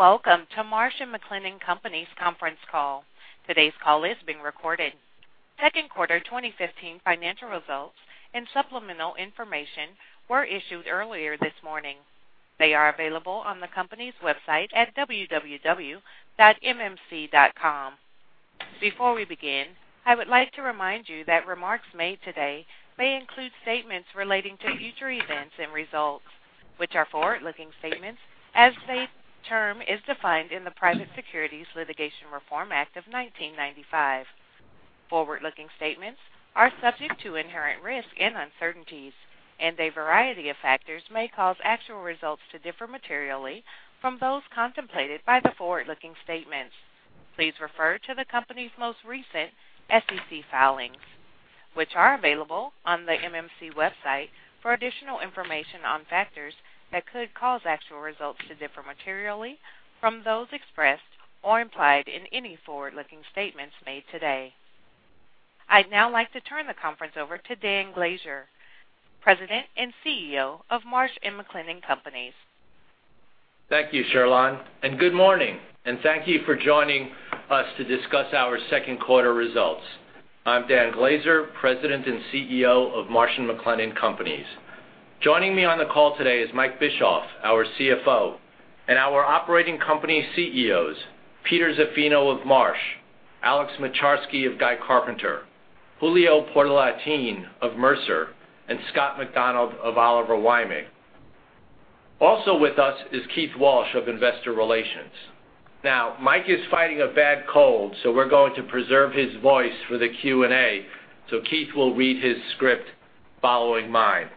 Welcome to Marsh & McLennan Companies conference call. Today's call is being recorded. Second quarter 2015 financial results and supplemental information were issued earlier this morning. They are available on the company's website at www.mmc.com. Before we begin, I would like to remind you that remarks made today may include statements relating to future events and results, which are forward-looking statements as the term is defined in the Private Securities Litigation Reform Act of 1995. Forward-looking statements are subject to inherent risk and uncertainties, and a variety of factors may cause actual results to differ materially from those contemplated by the forward-looking statements. Please refer to the company's most recent SEC filings, which are available on the MMC website for additional information on factors that could cause actual results to differ materially from those expressed or implied in any forward-looking statements made today. I'd now like to turn the conference over to Dan Glaser, President and CEO of Marsh & McLennan Companies. Thank you, [Shirlon], good morning, and thank you for joining us to discuss our second quarter results. I'm Dan Glaser, President and CEO of Marsh & McLennan Companies. Joining me on the call today is Mike Bischoff, our CFO, and our operating company CEOs, Peter Zaffino of Marsh, Alex Moczarski of Guy Carpenter, Julio Portalatin of Mercer, and Scott McDonald of Oliver Wyman. Also with us is Keith Walsh of Investor Relations. Mike is fighting a bad cold, so we're going to preserve his voice for the Q&A, so Keith will read his script following mine.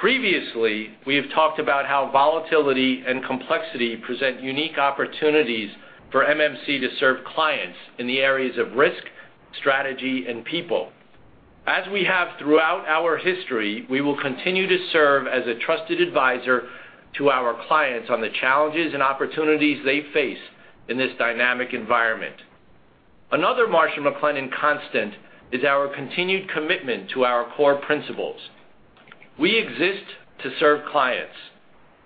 Previously, we have talked about how volatility and complexity present unique opportunities for MMC to serve clients in the areas of risk, strategy, and people. As we have throughout our history, we will continue to serve as a trusted advisor to our clients on the challenges and opportunities they face in this dynamic environment. Another Marsh & McLennan constant is our continued commitment to our core principles. We exist to serve clients.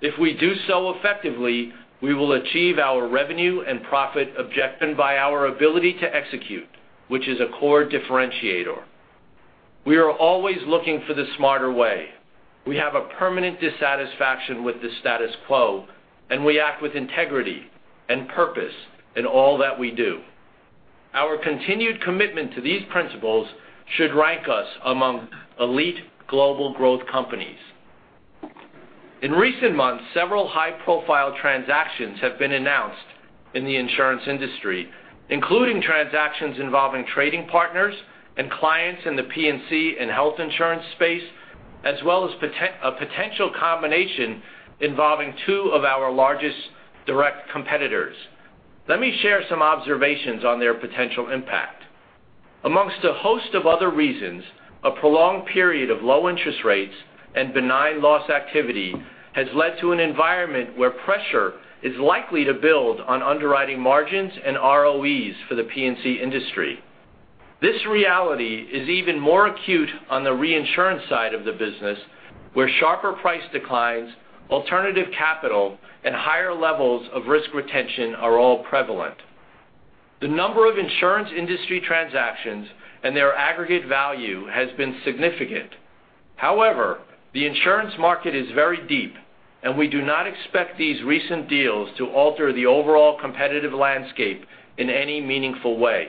If we do so effectively, we will achieve our revenue and profit objective by our ability to execute, which is a core differentiator. We are always looking for the smarter way. We have a permanent dissatisfaction with the status quo, and we act with integrity and purpose in all that we do. Our continued commitment to these principles should rank us among elite global growth companies. In recent months, several high-profile transactions have been announced in the insurance industry, including transactions involving trading partners and clients in the P&C and health insurance space, as well as a potential combination involving two of our largest direct competitors. Let me share some observations on their potential impact. Amongst a host of other reasons, a prolonged period of low interest rates and benign loss activity has led to an environment where pressure is likely to build on underwriting margins and ROEs for the P&C industry. This reality is even more acute on the reinsurance side of the business, where sharper price declines, alternative capital, and higher levels of risk retention are all prevalent. The number of insurance industry transactions and their aggregate value has been significant. The insurance market is very deep, and we do not expect these recent deals to alter the overall competitive landscape in any meaningful way.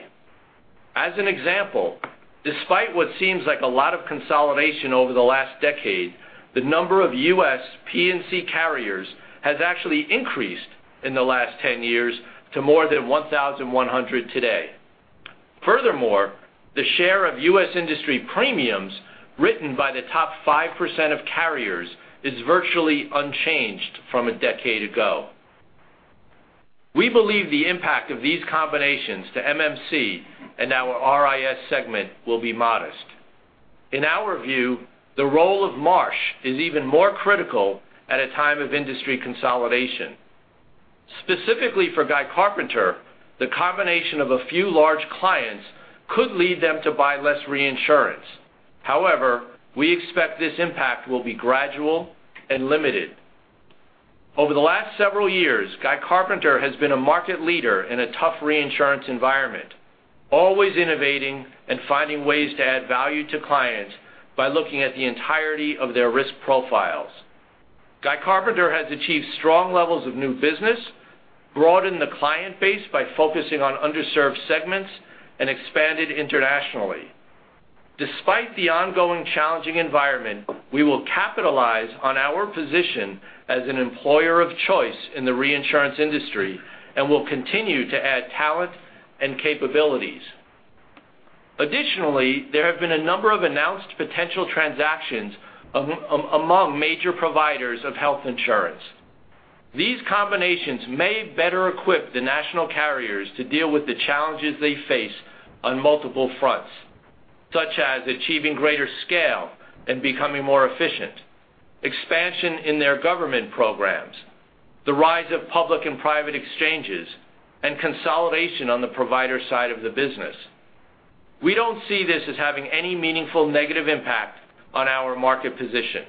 As an example, despite what seems like a lot of consolidation over the last decade, the number of U.S. P&C carriers has actually increased in the last 10 years to more than 1,100 today. Furthermore, the share of U.S. industry premiums written by the top 5% of carriers is virtually unchanged from a decade ago. We believe the impact of these combinations to MMC and our RIS segment will be modest. In our view, the role of Marsh is even more critical at a time of industry consolidation. Specifically for Guy Carpenter, the combination of a few large clients could lead them to buy less reinsurance. We expect this impact will be gradual and limited. Over the last several years, Guy Carpenter has been a market leader in a tough reinsurance environment, always innovating and finding ways to add value to clients by looking at the entirety of their risk profiles. Guy Carpenter has achieved strong levels of new business, broadened the client base by focusing on underserved segments, and expanded internationally. Despite the ongoing challenging environment, we will capitalize on our position as an employer of choice in the reinsurance industry and will continue to add talent and capabilities. Additionally, there have been a number of announced potential transactions among major providers of health insurance. These combinations may better equip the national carriers to deal with the challenges they face on multiple fronts, such as achieving greater scale and becoming more efficient, expansion in their government programs, the rise of public and private exchanges, and consolidation on the provider side of the business. We don't see this as having any meaningful negative impact on our market position.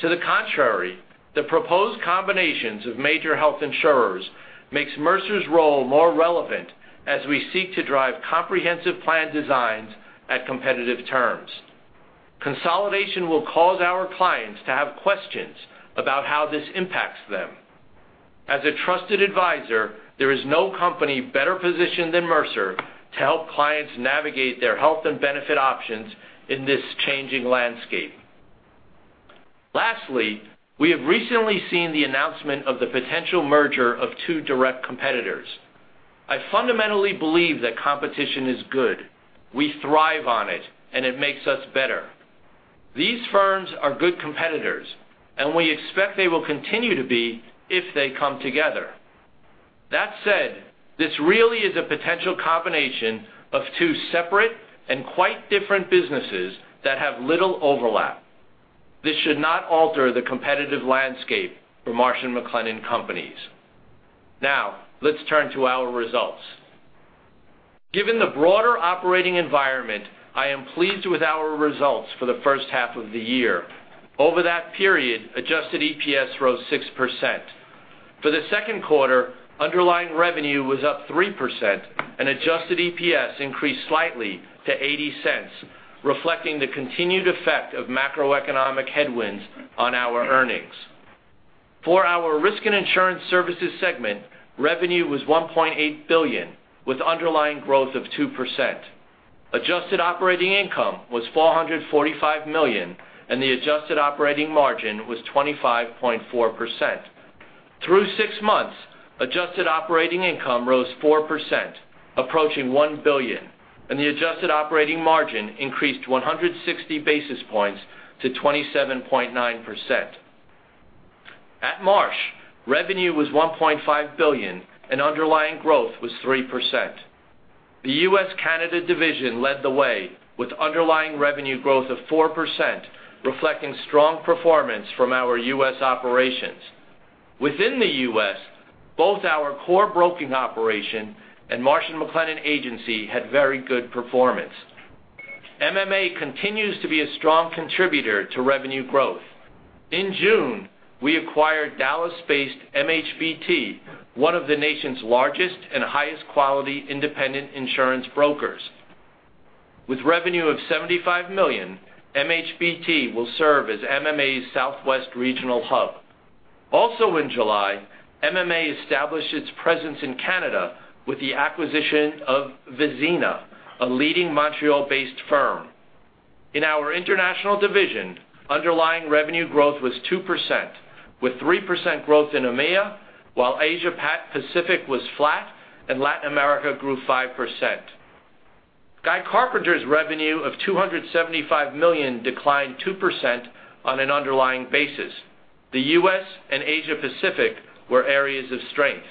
To the contrary, the proposed combinations of major health insurers makes Mercer's role more relevant as we seek to drive comprehensive plan designs at competitive terms. Consolidation will cause our clients to have questions about how this impacts them. As a trusted advisor, there is no company better positioned than Mercer to help clients navigate their health and benefit options in this changing landscape. Lastly, we have recently seen the announcement of the potential merger of two direct competitors. I fundamentally believe that competition is good. We thrive on it, and it makes us better. These firms are good competitors, and we expect they will continue to be if they come together. That said, this really is a potential combination of two separate and quite different businesses that have little overlap. This should not alter the competitive landscape for Marsh & McLennan Companies. Now, let's turn to our results. Given the broader operating environment, I am pleased with our results for the first half of the year. Over that period, adjusted EPS rose 6%. For the second quarter, underlying revenue was up 3%, and adjusted EPS increased slightly to $0.80, reflecting the continued effect of macroeconomic headwinds on our earnings. For our Risk and Insurance Services segment, revenue was $1.8 billion, with underlying growth of 2%. Adjusted operating income was $445 million, and the adjusted operating margin was 25.4%. Through six months, adjusted operating income rose 4%, approaching $1 billion, and the adjusted operating margin increased 160 basis points to 27.9%. At Marsh, revenue was $1.5 billion, and underlying growth was 3%. The U.S./Canada division led the way with underlying revenue growth of 4%, reflecting strong performance from our U.S. operations. Within the U.S., both our core broking operation and Marsh & McLennan Agency had very good performance. MMA continues to be a strong contributor to revenue growth. In June, we acquired Dallas-based MHBT, one of the nation's largest and highest quality independent insurance brokers. With revenue of $75 million, MHBT will serve as MMA's Southwest regional hub. Also in July, MMA established its presence in Canada with the acquisition of Vézina, a leading Montreal-based firm. In our international division, underlying revenue growth was 2%, with 3% growth in EMEA, while Asia Pacific was flat, and Latin America grew 5%. Guy Carpenter's revenue of $275 million declined 2% on an underlying basis. The U.S. and Asia Pacific were areas of strength.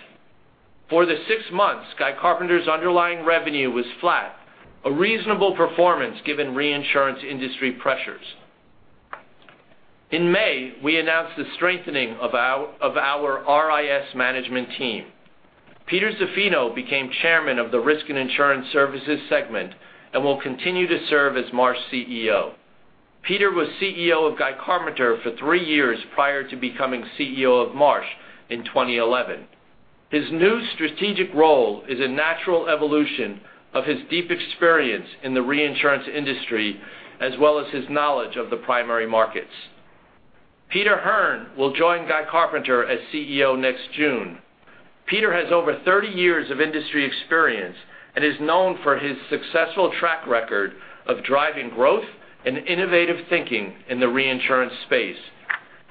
For the six months, Guy Carpenter's underlying revenue was flat, a reasonable performance given reinsurance industry pressures. In May, we announced the strengthening of our RIS management team. Peter Zaffino became Chairman of the Risk and Insurance Services segment and will continue to serve as Marsh CEO. Peter was CEO of Guy Carpenter for three years prior to becoming CEO of Marsh in 2011. His new strategic role is a natural evolution of his deep experience in the reinsurance industry, as well as his knowledge of the primary markets. Peter Hearn will join Guy Carpenter as CEO next June. Peter has over 30 years of industry experience and is known for his successful track record of driving growth and innovative thinking in the reinsurance space.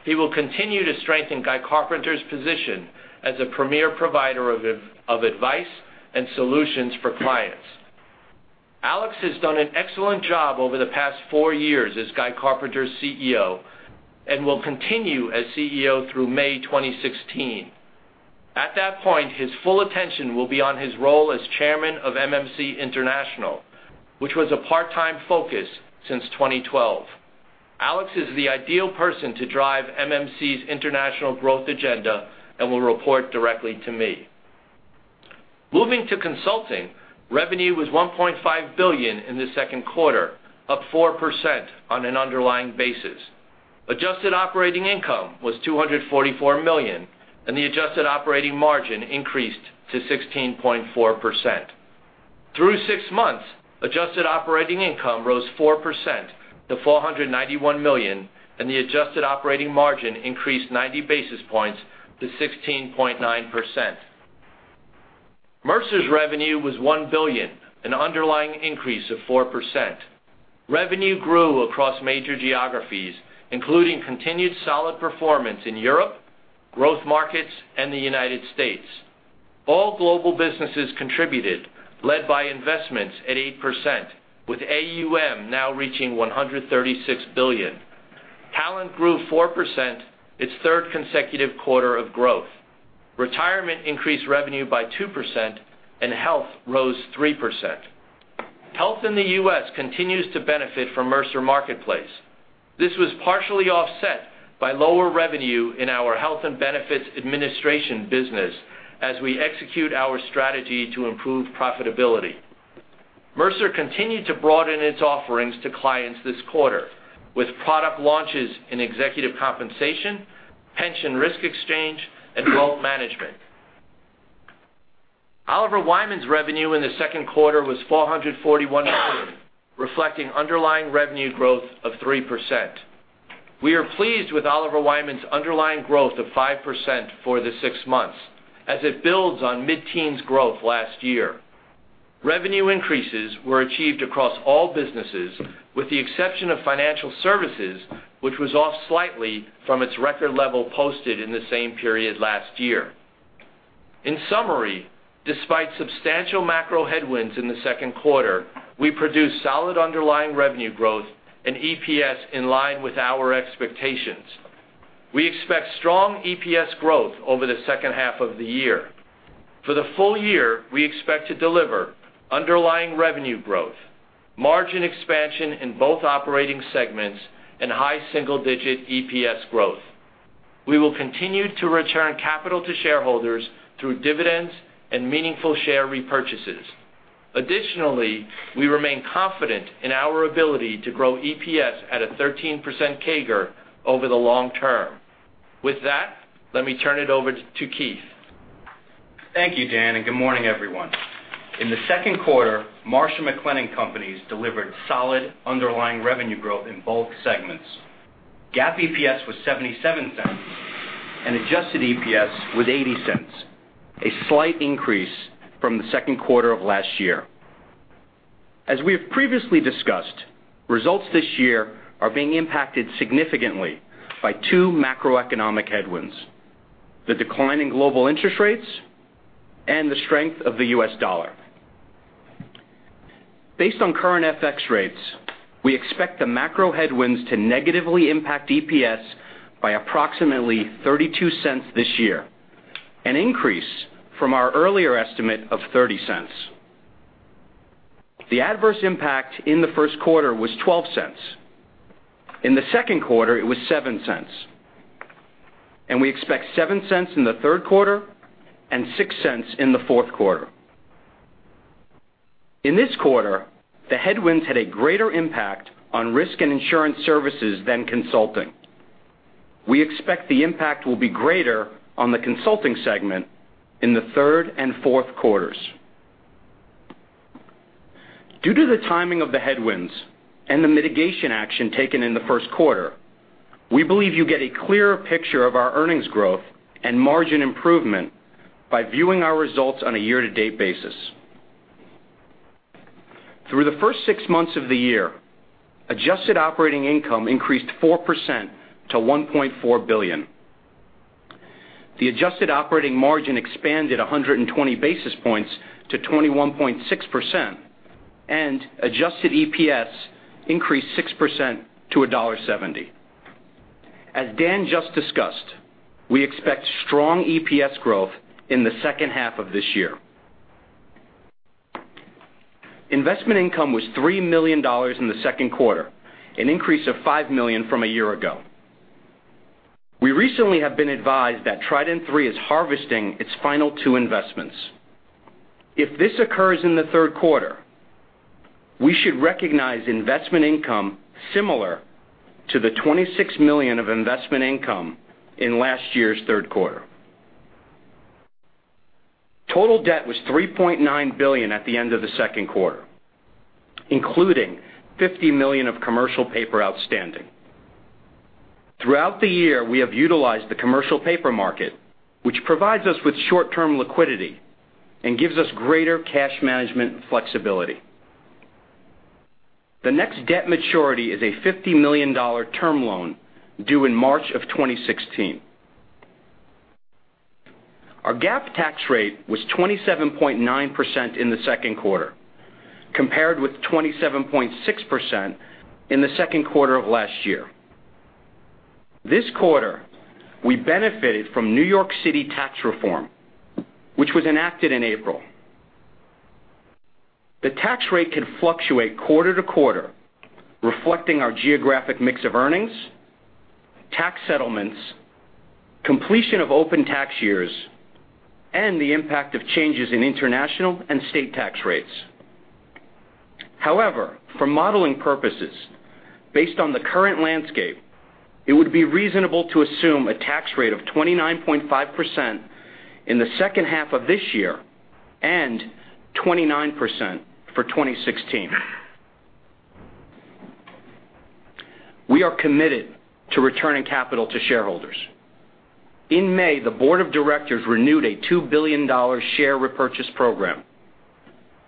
He will continue to strengthen Guy Carpenter's position as a premier provider of advice and solutions for clients. Alex has done an excellent job over the past four years as Guy Carpenter's CEO and will continue as CEO through May 2016. At that point, his full attention will be on his role as Chairman of MMC International, which was a part-time focus since 2012. Alex is the ideal person to drive MMC's international growth agenda and will report directly to me. Moving to consulting, revenue was $1.5 billion in the second quarter, up 4% on an underlying basis. Adjusted operating income was $244 million, and the adjusted operating margin increased to 16.4%. Through six months, adjusted operating income rose 4% to $491 million, and the adjusted operating margin increased 90 basis points to 16.9%. Mercer's revenue was $1 billion, an underlying increase of 4%. Revenue grew across major geographies, including continued solid performance in Europe, growth markets, and the United States. All global businesses contributed, led by investments at 8%, with AUM now reaching $136 billion. Talent grew 4%, its third consecutive quarter of growth. Retirement increased revenue by 2%, and health rose 3%. Health in the U.S. continues to benefit from Mercer Marketplace. This was partially offset by lower revenue in our health and benefits administration business as we execute our strategy to improve profitability. Mercer continued to broaden its offerings to clients this quarter, with product launches in executive compensation, pension risk exchange, and growth management. Oliver Wyman's revenue in the second quarter was $441 million, reflecting underlying revenue growth of 3%. We are pleased with Oliver Wyman's underlying growth of 5% for the six months as it builds on mid-teens growth last year. Revenue increases were achieved across all businesses, with the exception of financial services, which was off slightly from its record level posted in the same period last year. In summary, despite substantial macro headwinds in the second quarter, we produced solid underlying revenue growth and EPS in line with our expectations. We expect strong EPS growth over the second half of the year. For the full year, we expect to deliver underlying revenue growth, margin expansion in both operating segments, and high single-digit EPS growth. We will continue to return capital to shareholders through dividends and meaningful share repurchases. Additionally, we remain confident in our ability to grow EPS at a 13% CAGR over the long term. With that, let me turn it over to Keith. Thank you, Dan, and good morning, everyone. In the second quarter, Marsh & McLennan Companies delivered solid underlying revenue growth in both segments. GAAP EPS was $0.77 and adjusted EPS was $0.80, a slight increase from the second quarter of last year. As we have previously discussed, results this year are being impacted significantly by two macroeconomic headwinds: the decline in global interest rates and the strength of the U.S. dollar. Based on current FX rates, we expect the macro headwinds to negatively impact EPS by approximately $0.32 this year, an increase from our earlier estimate of $0.30. The adverse impact in the first quarter was $0.12. In the second quarter, it was $0.07, and we expect $0.07 in the third quarter and $0.06 in the fourth quarter. In this quarter, the headwinds had a greater impact on risk and insurance services than consulting. We expect the impact will be greater on the consulting segment in the third and fourth quarters. Due to the timing of the headwinds and the mitigation action taken in the first quarter, we believe you get a clearer picture of our earnings growth and margin improvement by viewing our results on a year-to-date basis. Through the first six months of the year, adjusted operating income increased 4% to $1.4 billion. The adjusted operating margin expanded 120 basis points to 21.6%, and adjusted EPS increased 6% to $1.70. As Dan just discussed, we expect strong EPS growth in the second half of this year. Investment income was $3 million in the second quarter, an increase of $5 million from a year ago. We recently have been advised that Trident III is harvesting its final two investments. If this occurs in the third quarter, we should recognize investment income similar to the $26 million of investment income in last year's third quarter. Total debt was $3.9 billion at the end of the second quarter, including $50 million of commercial paper outstanding. Throughout the year, we have utilized the commercial paper market, which provides us with short-term liquidity and gives us greater cash management flexibility. The next debt maturity is a $50 million term loan due in March of 2016. Our GAAP tax rate was 27.9% in the second quarter, compared with 27.6% in the second quarter of last year. This quarter, we benefited from New York City tax reform, which was enacted in April. The tax rate can fluctuate quarter to quarter, reflecting our geographic mix of earnings, tax settlements, completion of open tax years, and the impact of changes in international and state tax rates. However, for modeling purposes, based on the current landscape, it would be reasonable to assume a tax rate of 29.5% in the second half of this year and 29% for 2016. We are committed to returning capital to shareholders. In May, the board of directors renewed a $2 billion share repurchase program.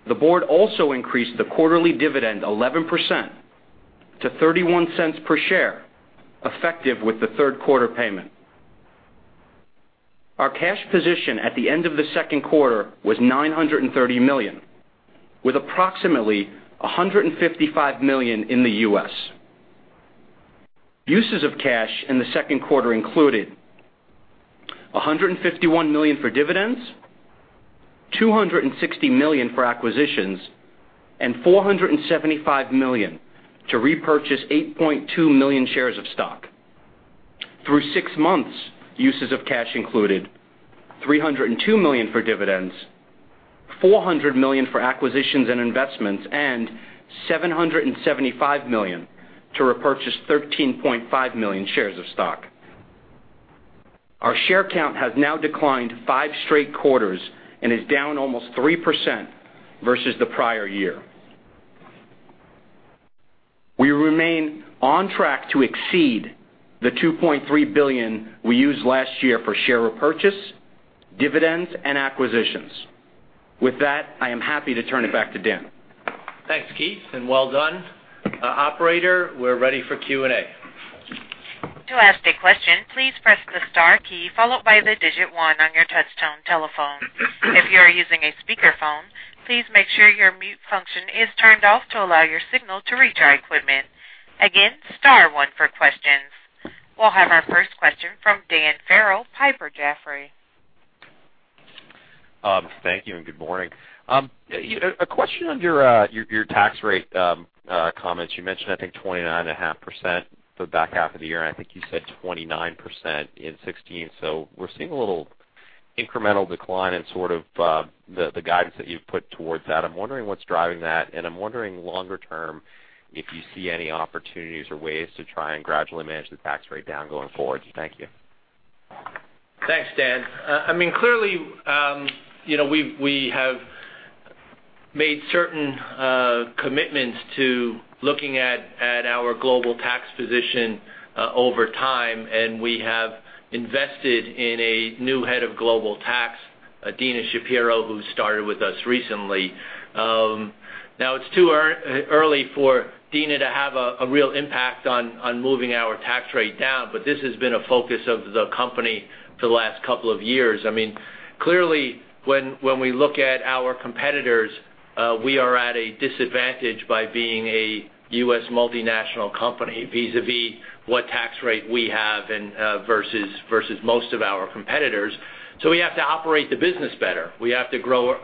The board also increased the quarterly dividend 11% to $0.31 per share, effective with the third quarter payment. Our cash position at the end of the second quarter was $930 million, with approximately $155 million in the U.S. Uses of cash in the second quarter included $151 million for dividends, $260 million for acquisitions, and $475 million to repurchase 8.2 million shares of stock. Through six months, uses of cash included $302 million for dividends, $400 million for acquisitions and investments, and $775 million to repurchase 13.5 million shares of stock. Our share count has now declined five straight quarters and is down almost 3% versus the prior year. We remain on track to exceed the $2.3 billion we used last year for share repurchase, dividends, and acquisitions. With that, I am happy to turn it back to Dan. Thanks, Keith, and well done. Operator, we're ready for Q&A. To ask a question, please press the star key followed by the digit 1 on your touchtone telephone. If you are using a speakerphone, please make sure your mute function is turned off to allow your signal to reach our equipment. Again, star 1 for questions. We'll have our first question from Dan Farrell, Piper Jaffray. Thank you and good morning. A question on your tax rate comments. You mentioned, I think, 29.5% for the back half of the year, and I think you said 29% in 2016. We're seeing a little incremental decline in sort of the guidance that you've put towards that. I'm wondering what's driving that, and I'm wondering longer term, if you see any opportunities or ways to try and gradually manage the tax rate down going forward. Thank you. Thanks, Dan. We have made certain commitments to looking at our global tax position over time, and we have invested in a new head of global tax, Dina Shapiro, who started with us recently. It's too early for Dina to have a real impact on moving our tax rate down, but this has been a focus of the company for the last couple of years. When we look at our competitors, we are at a disadvantage by being a U.S. multinational company vis-a-vis what tax rate we have versus most of our competitors. We have to operate the business better. We have to grow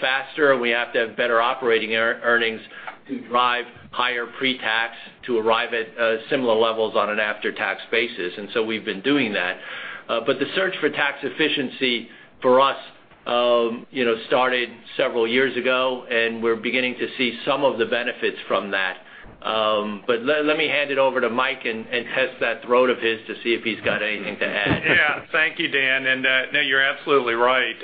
faster, and we have to have better operating earnings to drive higher pre-tax to arrive at similar levels on an after-tax basis. We've been doing that. The search for tax efficiency for us started several years ago, and we're beginning to see some of the benefits from that. Let me hand it over to Mike and test that throat of his to see if he's got anything to add. Yeah. Thank you, Dan. No, you're absolutely right.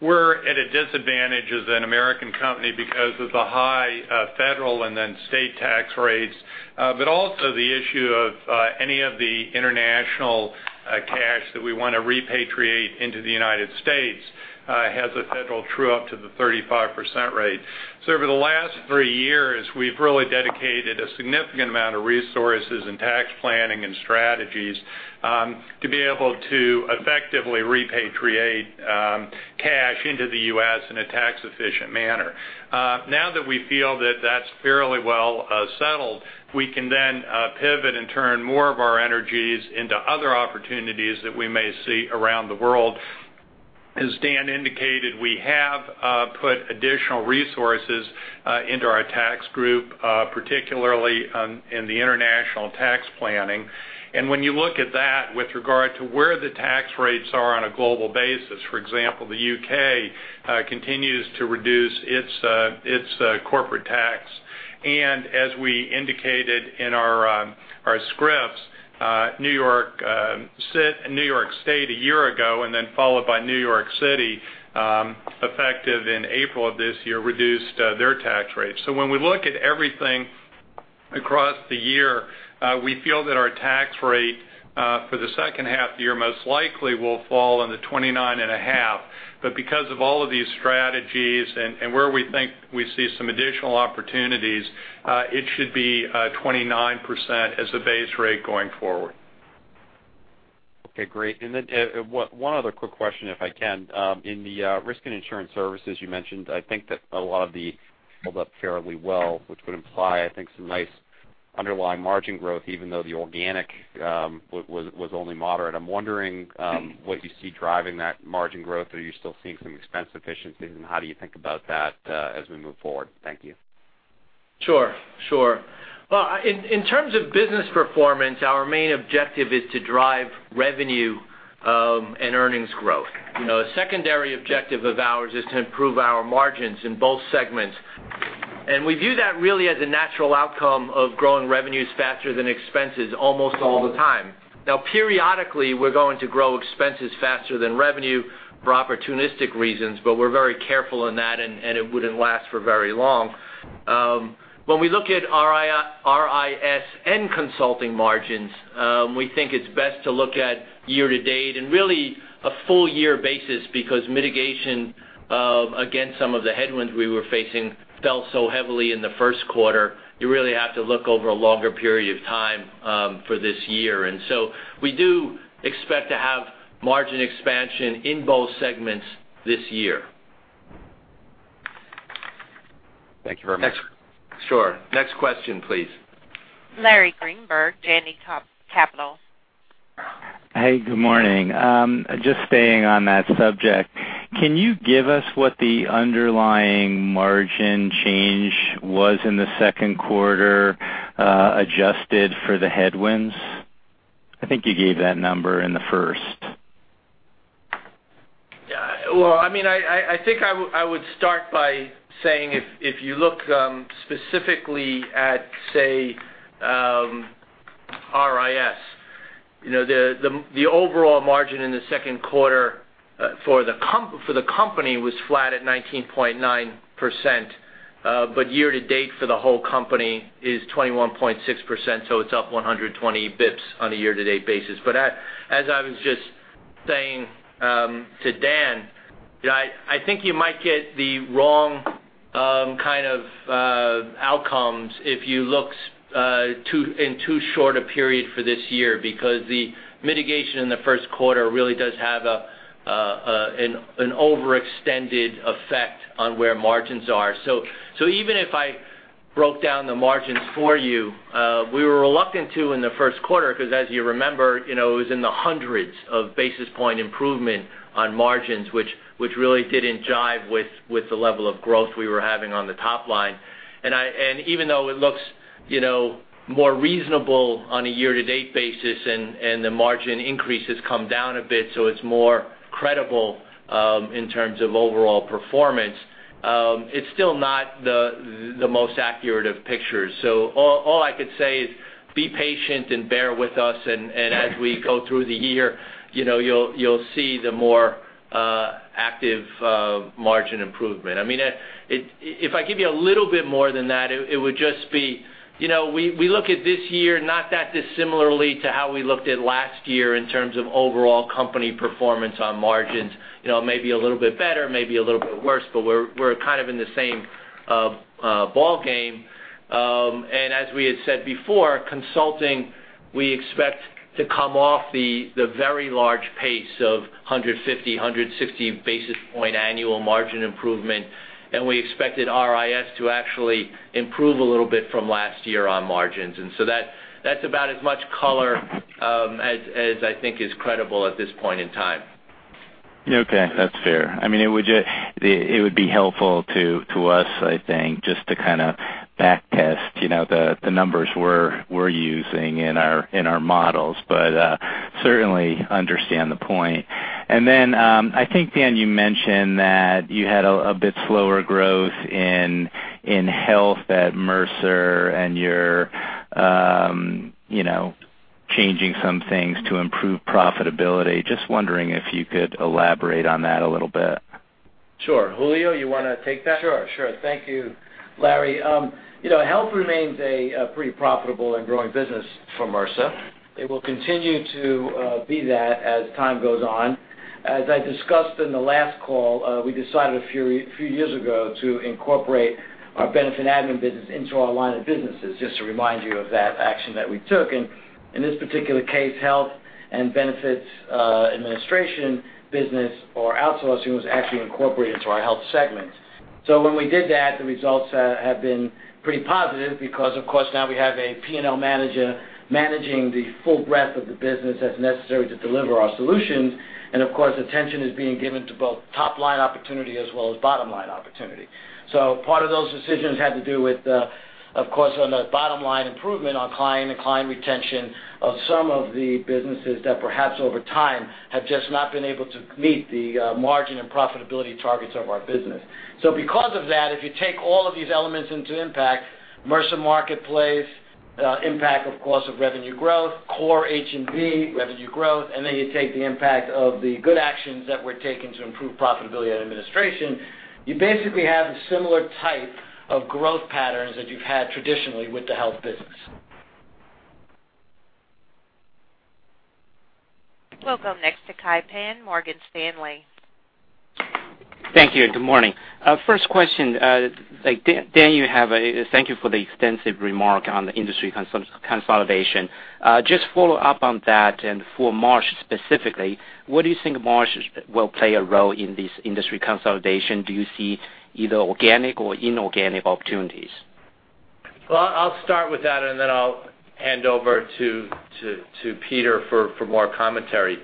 We're at a disadvantage as an American company because of the high federal and then state tax rates. Also the issue of any of the international cash that we want to repatriate into the United States has a federal true-up to the 35% rate. Over the last three years, we've really dedicated a significant amount of resources in tax planning and strategies to be able to effectively repatriate cash into the U.S. in a tax-efficient manner. Now that we feel that that's fairly well settled, we can then pivot and turn more of our energies into other opportunities that we may see around the world. As Dan indicated, we have put additional resources into our tax group, particularly in the international tax planning. When you look at that with regard to where the tax rates are on a global basis, for example, the U.K. continues to reduce its corporate tax. As we indicated in our scripts, New York State a year ago and then followed by New York City, effective in April of this year, reduced their tax rates. When we look at everything across the year, we feel that our tax rate for the second half of the year most likely will fall in the 29.5%. Because of all of these strategies and where we think we see some additional opportunities, it should be 29% as a base rate going forward. Okay, great. Then one other quick question, if I can. In the risk and insurance services you mentioned, I think that a lot of the held up fairly well, which would imply, I think, some nice underlying margin growth, even though the organic was only moderate. I'm wondering what you see driving that margin growth. Are you still seeing some expense efficiencies, and how do you think about that as we move forward? Thank you. Sure. Well, in terms of business performance, our main objective is to drive revenue and earnings growth. A secondary objective of ours is to improve our margins in both segments. We view that really as a natural outcome of growing revenues faster than expenses almost all the time. Now periodically, we're going to grow expenses faster than revenue for opportunistic reasons, but we're very careful in that, and it wouldn't last for very long. When we look at RIS and consulting margins, we think it's best to look at year-to-date and really a full year basis because mitigation against some of the headwinds we were facing fell so heavily in the first quarter. You really have to look over a longer period of time for this year. So we do expect to have margin expansion in both segments this year. Thank you very much. Sure. Next question, please. Larry Greenberg, Janney Capital. Hey, good morning. Just staying on that subject, can you give us what the underlying margin change was in the second quarter, adjusted for the headwinds? I think you gave that number in the first. Yeah. Well, I think I would start by saying, if you look specifically at, say, RIS. The overall margin in the second quarter for the company was flat at 19.9%, but year to date for the whole company is 21.6%, so it's up 120 basis points on a year to date basis. As I was just saying to Dan, I think you might get the wrong kind of outcomes if you look in too short a period for this year, because the mitigation in the first quarter really does have an overextended effect on where margins are. Even if I broke down the margins for you, we were reluctant to in the first quarter, because as you remember, it was in the hundreds of basis points improvement on margins, which really didn't jive with the level of growth we were having on the top line. Even though it looks more reasonable on a year to date basis and the margin increases come down a bit, so it's more credible, in terms of overall performance, it's still not the most accurate of pictures. All I could say is be patient and bear with us, and as we go through the year, you'll see the more active margin improvement. If I give you a little bit more than that, it would just be, we look at this year not that dissimilarly to how we looked at last year in terms of overall company performance on margins. Maybe a little bit better, maybe a little bit worse, but we're kind of in the same ballgame. As we had said before, consulting, we expect to come off the very large pace of 150, 160 basis points annual margin improvement, and we expected RIS to actually improve a little bit from last year on margins. That's about as much color as I think is credible at this point in time. Okay. That's fair. It would be helpful to us, I think, just to kind of back test the numbers we're using in our models. Certainly understand the point. I think, Dan, you mentioned that you had a bit slower growth in Health at Mercer and you're changing some things to improve profitability. Just wondering if you could elaborate on that a little bit. Sure. Julio, you want to take that? Sure. Thank you, Larry. Health remains a pretty profitable and growing business for Mercer. It will continue to be that as time goes on. As I discussed in the last call, we decided a few years ago to incorporate our ben admin business into our line of businesses, just to remind you of that action that we took. In this particular case, health and benefits, administration business or outsourcing, was actually incorporated into our health segment. When we did that, the results have been pretty positive because, of course, now we have a P&L manager managing the full breadth of the business as necessary to deliver our solutions. Of course, attention is being given to both top-line opportunity as well as bottom-line opportunity. Part of those decisions had to do with, of course, on the bottom-line improvement on client and client retention of some of the businesses that perhaps over time have just not been able to meet the margin and profitability targets of our business. Because of that, if you take all of these elements into impact, Mercer Marketplace, impact, of course, of revenue growth, core H&B, revenue growth, then you take the impact of the good actions that we're taking to improve profitability and administration, you basically have similar type of growth patterns that you've had traditionally with the health business. Welcome next to Kai Pan, Morgan Stanley. Thank you. Good morning. First question. Dan, thank you for the extensive remark on the industry consolidation. Just follow up on that and for Marsh specifically, what do you think Marsh will play a role in this industry consolidation? Do you see either organic or inorganic opportunities? Well, I'll start with that, and then I'll hand over to Peter for more commentary.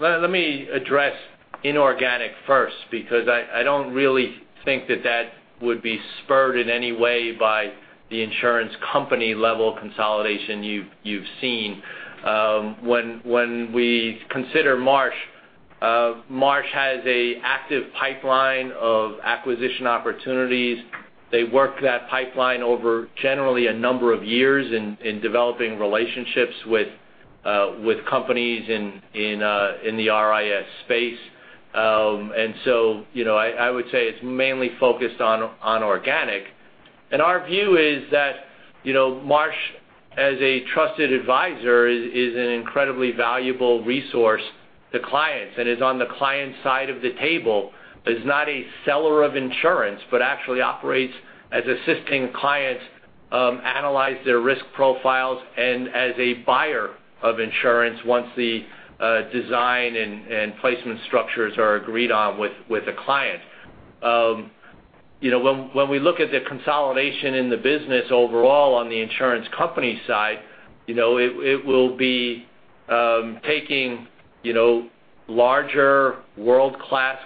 Let me address inorganic first, because I don't really think that that would be spurred in any way by the insurance company level consolidation you've seen. When we consider Marsh has an active pipeline of acquisition opportunities. They work that pipeline over generally a number of years in developing relationships with companies in the RIS space. I would say it's mainly focused on organic. Our view is that Marsh, as a trusted advisor, is an incredibly valuable resource to clients and is on the client side of the table, is not a seller of insurance, but actually operates as assisting clients analyze their risk profiles and as a buyer of insurance once the design and placement structures are agreed on with the client. When we look at the consolidation in the business overall on the insurance company side, it will be taking larger world-class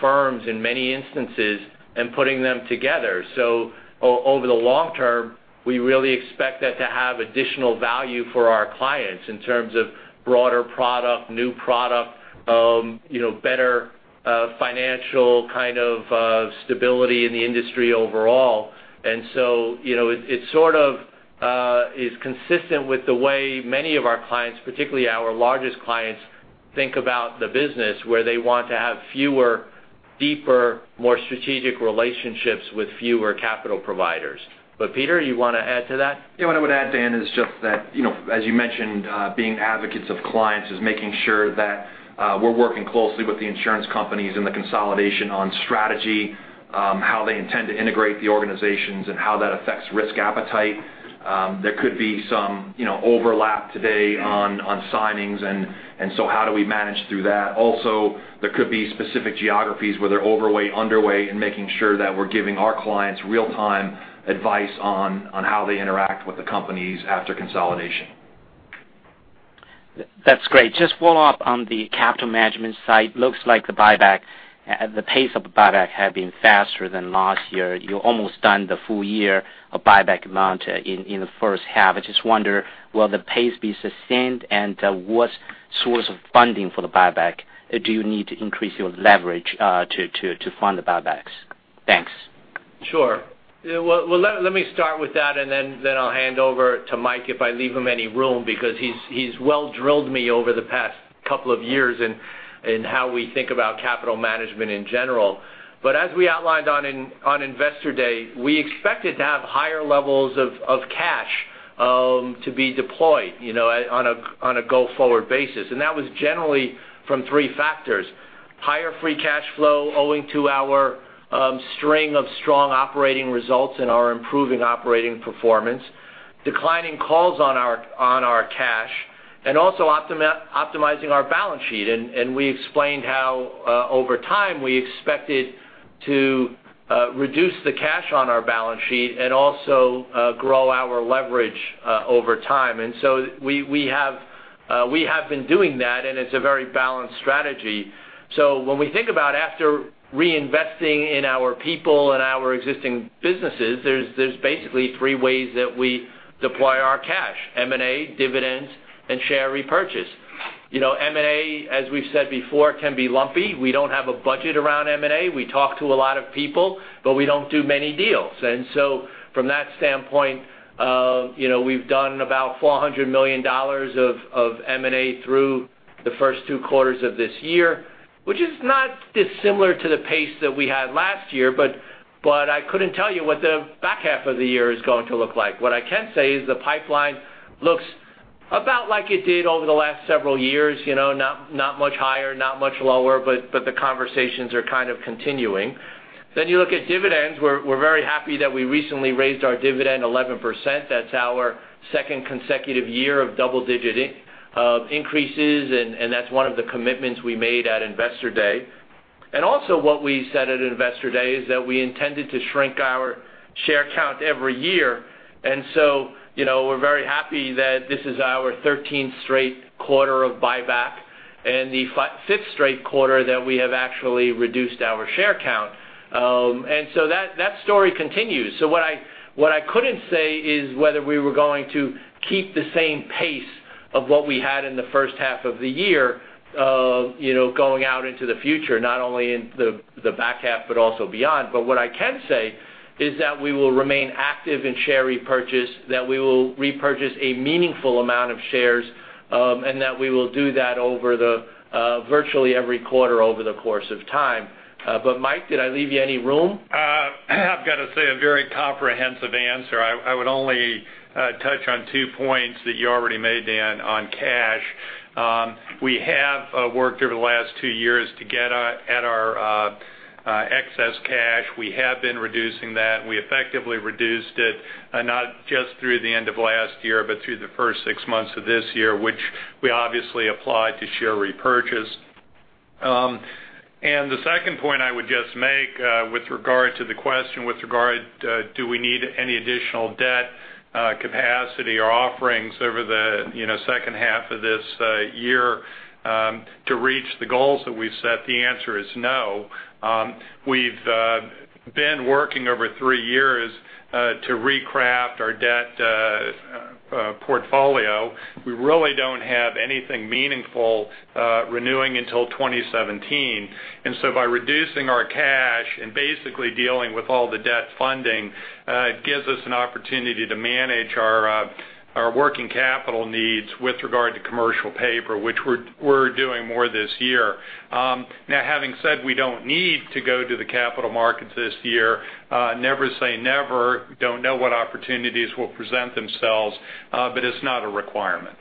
firms in many instances and putting them together. Over the long term, we really expect that to have additional value for our clients in terms of broader product, new product, better financial stability in the industry overall. It sort of is consistent with the way many of our clients, particularly our largest clients, think about the business where they want to have fewer, deeper, more strategic relationships with fewer capital providers. Peter, you want to add to that? Yeah, what I would add, Dan, is just that, as you mentioned, being advocates of clients is making sure that we're working closely with the insurance companies in the consolidation on strategy, how they intend to integrate the organizations and how that affects risk appetite. There could be some overlap today on signings, and so how do we manage through that? Also, there could be specific geographies where they're overweight, underweight, and making sure that we're giving our clients real-time advice on how they interact with the companies after consolidation. That's great. Just follow up on the capital management side. Looks like the pace of the buyback had been faster than last year. You're almost done the full year of buyback amount in the first half. I just wonder, will the pace be sustained? What source of funding for the buyback? Do you need to increase your leverage to fund the buybacks? Thanks. Sure. Well, let me start with that, and then I'll hand over to Mike if I leave him any room, because he's well drilled me over the past couple of years in how we think about capital management in general. As we outlined on Investor Day, we expected to have higher levels of cash to be deployed on a go-forward basis. That was generally from three factors, higher free cash flow owing to our string of strong operating results and our improving operating performance, declining calls on our cash, and also optimizing our balance sheet. We explained how over time we expected to reduce the cash on our balance sheet and also grow our leverage over time. We have been doing that, and it's a very balanced strategy. When we think about after reinvesting in our people and our existing businesses, there's basically three ways that we deploy our cash, M&A, dividends, and share repurchase. M&A, as we've said before, can be lumpy. We don't have a budget around M&A. We talk to a lot of people, but we don't do many deals. From that standpoint, we've done about $400 million of M&A through the first two quarters of this year, which is not dissimilar to the pace that we had last year, but I couldn't tell you what the back half of the year is going to look like. What I can say is the pipeline looks about like it did over the last several years, not much higher, not much lower, but the conversations are kind of continuing. You look at dividends. We're very happy that we recently raised our dividend 11%. That's our second consecutive year of double-digit increases, that's one of the commitments we made at Investor Day. Also what we said at Investor Day is that we intended to shrink our share count every year. We're very happy that this is our 13th straight quarter of buyback and the fifth straight quarter that we have actually reduced our share count. That story continues. What I couldn't say is whether we were going to keep the same pace of what we had in the first half of the year going out into the future, not only in the back half but also beyond. What I can say is that we will remain active in share repurchase, that we will repurchase a meaningful amount of shares, and that we will do that over virtually every quarter over the course of time. Mike, did I leave you any room? I've got to say, a very comprehensive answer. I would only touch on two points that you already made, Dan, on cash. We have worked over the last two years to get at our excess cash. We have been reducing that. We effectively reduced it, not just through the end of last year, but through the first six months of this year, which we obviously applied to share repurchase. The second point I would just make with regard to the question with regard, do we need any additional debt capacity or offerings over the second half of this year to reach the goals that we've set? The answer is no. We've been working over three years to recraft our debt portfolio. We really don't have anything meaningful renewing until 2017. By reducing our cash and basically dealing with all the debt funding, it gives us an opportunity to manage our working capital needs with regard to commercial paper, which we're doing more this year. Now, having said we don't need to go to the capital markets this year, never say never, don't know what opportunities will present themselves, but it's not a requirement.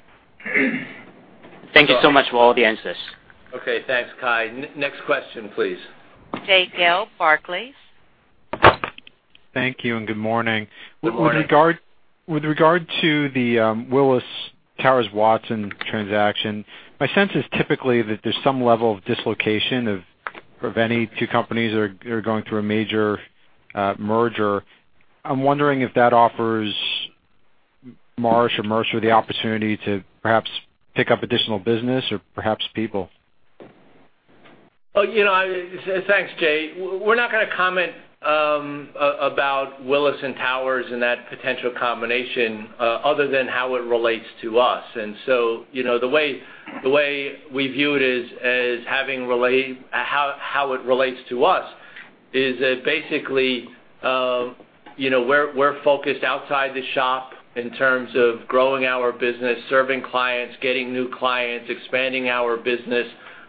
Thank you so much for all the answers. Okay, thanks, Kai. Next question, please. Jay Gelb, Barclays. Thank you, good morning. Good morning. With regard to the Willis Towers Watson transaction, my sense is typically that there's some level of dislocation of any two companies or going through a major merger. I'm wondering if that offers Marsh or Mercer the opportunity to perhaps pick up additional business or perhaps people. Thanks, Jay. We're not going to comment about Willis and Towers and that potential combination other than how it relates to us. The way we view it is how it relates to us is that basically, we're focused outside the shop in terms of growing our business, serving clients, getting new clients, expanding our business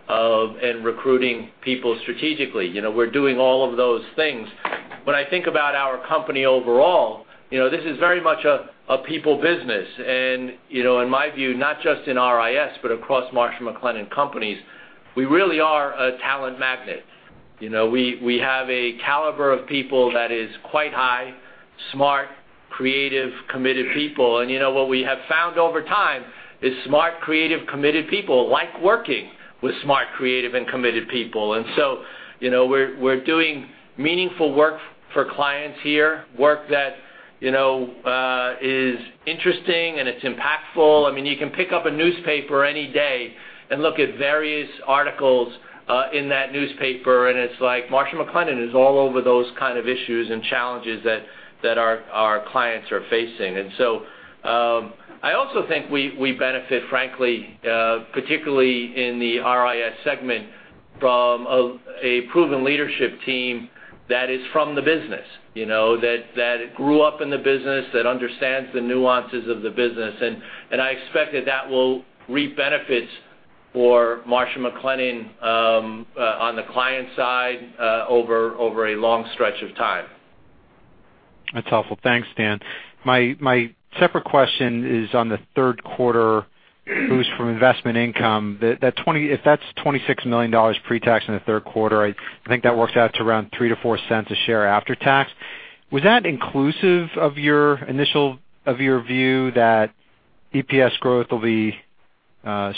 and recruiting people strategically. We're doing all of those things. When I think about our company overall, this is very much a people business. In my view, not just in RIS, but across Marsh & McLennan Companies, we really are a talent magnet. We have a caliber of people that is quite high, smart, creative, committed people. What we have found over time is smart, creative, committed people like working with smart, creative, and committed people. We're doing meaningful work for clients here, work that is interesting, and it's impactful. You can pick up a newspaper any day and look at various articles in that newspaper, and it's like Marsh & McLennan is all over those kind of issues and challenges that our clients are facing. I also think we benefit, frankly, particularly in the RIS segment from a proven leadership team that is from the business, that grew up in the business, that understands the nuances of the business. I expect that that will reap benefits for Marsh & McLennan on the client side over a long stretch of time. That's helpful. Thanks, Dan. My separate question is on the third quarter boost from investment income. If that's $26 million pre-tax in the third quarter, I think that works out to around $0.03-$0.04 a share after tax. Was that inclusive of your view that EPS growth will be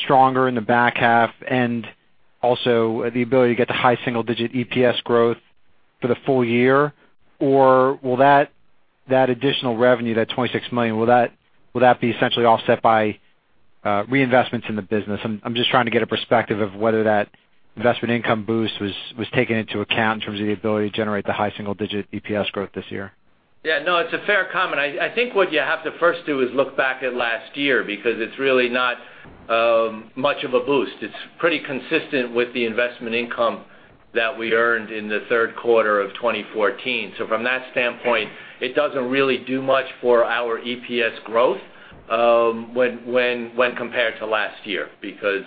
stronger in the back half and also the ability to get to high single-digit EPS growth for the full year? Will that additional revenue, that $26 million, will that be essentially offset by reinvestments in the business? I'm just trying to get a perspective of whether that investment income boost was taken into account in terms of the ability to generate the high single-digit EPS growth this year. Yeah, no, it's a fair comment. I think what you have to first do is look back at last year because it's really not much of a boost. It's pretty consistent with the investment income that we earned in the third quarter of 2014. From that standpoint, it doesn't really do much for our EPS growth when compared to last year. Because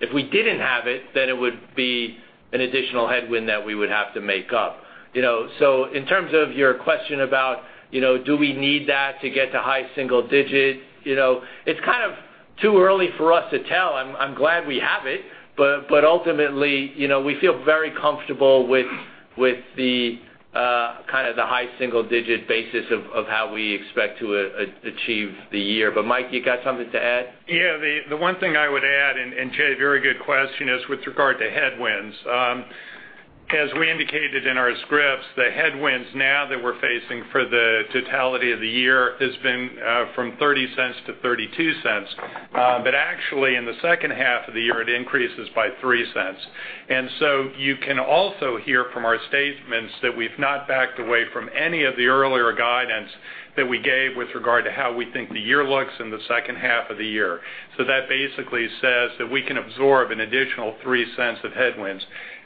if we didn't have it, then it would be an additional headwind that we would have to make up. In terms of your question about, do we need that to get to high single digit? It's kind of too early for us to tell. I'm glad we have it, but ultimately, we feel very comfortable with the high single-digit basis of how we expect to achieve the year. Mike Bischoff, you got something to add? Yeah, the one thing I would add, and Jay Gelb, very good question, is with regard to headwinds. As we indicated in our scripts, the headwinds now that we're facing for the totality of the year has been from $0.30-$0.32. Actually, in the second half of the year, it increases by $0.03. You can also hear from our statements that we've not backed away from any of the earlier guidance that we gave with regard to how we think the year looks in the second half of the year. That basically says that we can absorb an additional $0.03 of headwinds.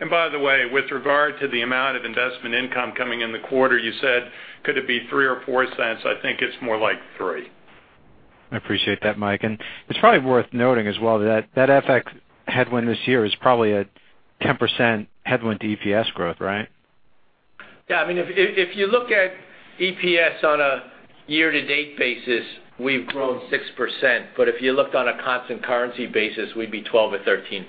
By the way, with regard to the amount of investment income coming in the quarter, you said, could it be $0.03 or $0.04? I think it's more like $0.03. I appreciate that, Mike Bischoff. It's probably worth noting as well that that FX headwind this year is probably a 10% headwind to EPS growth, right? Yeah. If you look at EPS on a year-to-date basis, we've grown 6%, but if you looked on a constant currency basis, we'd be 12% or 13%.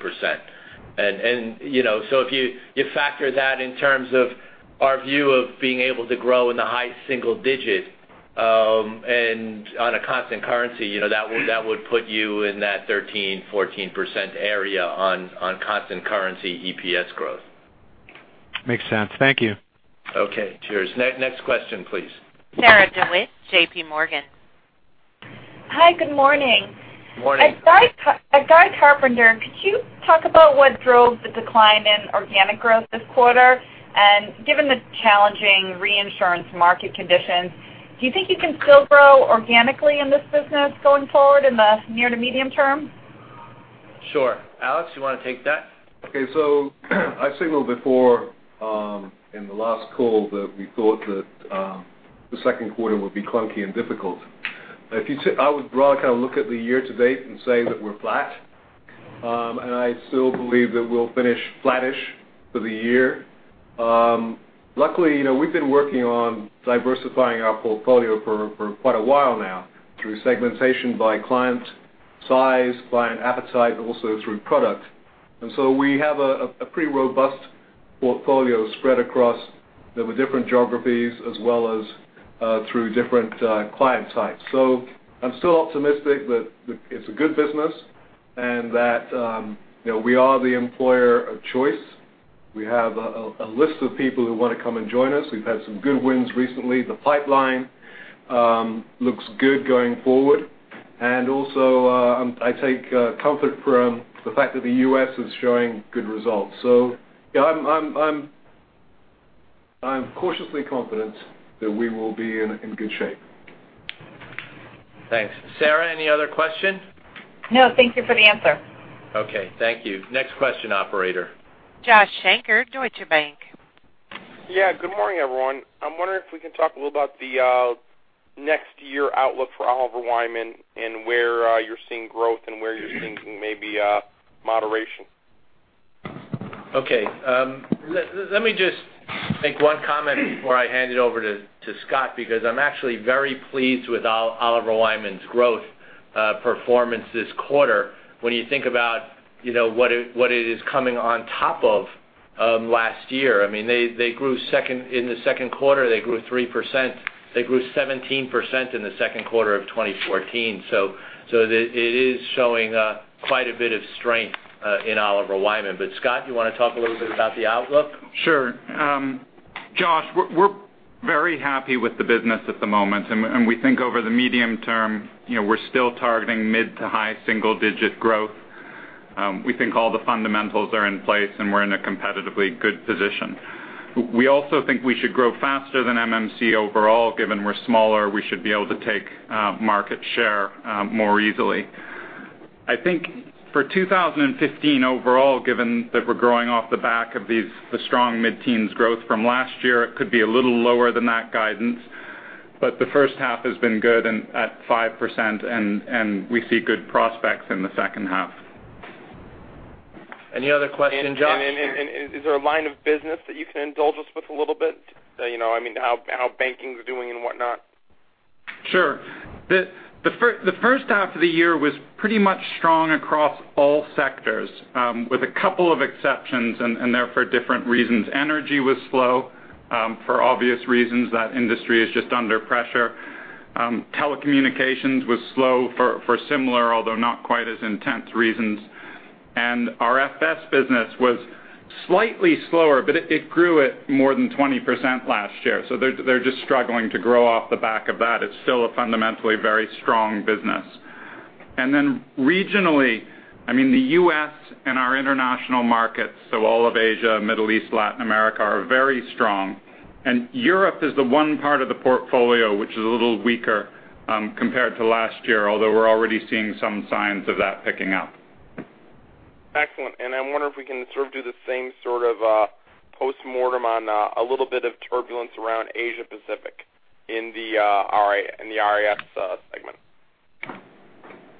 If you factor that in terms of our view of being able to grow in the high single digit on a constant currency, that would put you in that 13%-14% area on constant currency EPS growth. Makes sense. Thank you. Okay. Cheers. Next question, please. Sarah DeWitt, J.P. Morgan. Hi, good morning. Morning. At Guy Carpenter, could you talk about what drove the decline in organic growth this quarter? Given the challenging reinsurance market conditions, do you think you can still grow organically in this business going forward in the near to medium term? Sure. Alex, you want to take that? Okay, I've signaled before in the last call that we thought that the second quarter would be clunky and difficult. I would rather look at the year to date and say that we're flat. I still believe that we'll finish flattish for the year. Luckily, we've been working on diversifying our portfolio for quite a while now through segmentation by client size, client appetite, and also through product. We have a pretty robust portfolio spread across the different geographies as well as through different client types. I'm still optimistic that it's a good business and that we are the employer of choice. We have a list of people who want to come and join us. We've had some good wins recently. The pipeline looks good going forward. Also, I take comfort from the fact that the U.S. is showing good results. I'm cautiously confident that we will be in good shape. Thanks. Sarah, any other question? No. Thank you for the answer. Okay. Thank you. Next question, operator. Joshua Shanker, Deutsche Bank. Yeah. Good morning, everyone. I'm wondering if we can talk a little about the next year outlook for Oliver Wyman and where you're seeing growth and where you're seeing maybe moderation. Okay. Let me just make one comment before I hand it over to Scott, because I'm actually very pleased with Oliver Wyman's growth performance this quarter. When you think about what it is coming on top of last year, in the second quarter they grew 3%, they grew 17% in the second quarter of 2014. It is showing quite a bit of strength in Oliver Wyman. Scott, you want to talk a little bit about the outlook? Sure. Josh, we're very happy with the business at the moment, and we think over the medium term, we're still targeting mid to high single digit growth. We think all the fundamentals are in place, and we're in a competitively good position. We also think we should grow faster than MMC overall. Given we're smaller, we should be able to take market share more easily. I think for 2015 overall, given that we're growing off the back of the strong mid-teens growth from last year, it could be a little lower than that guidance, the first half has been good and at 5%, and we see good prospects in the second half. Any other questions, Josh? Is there a line of business that you can indulge us with a little bit? How banking's doing and whatnot. Sure. The first half of the year was pretty much strong across all sectors, with a couple of exceptions, and they're for different reasons. Energy was slow. For obvious reasons, that industry is just under pressure. Telecommunications was slow for similar, although not quite as intense reasons. Our FS business was slightly slower, but it grew at more than 20% last year, so they're just struggling to grow off the back of that. It's still a fundamentally very strong business. Then regionally, the U.S. and our international markets, so all of Asia, Middle East, Latin America, are very strong. Europe is the one part of the portfolio which is a little weaker compared to last year, although we're already seeing some signs of that picking up. Excellent. I wonder if we can sort of do the same sort of postmortem on a little bit of turbulence around Asia Pacific in the RIS segment.